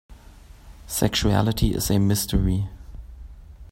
Sexuality is a mystery.